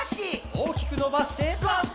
おおきくのばして。